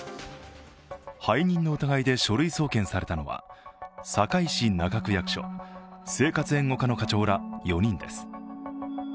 背任の疑いで書類送検されたのは堺市中区役所生活援護課の課長ら４人です。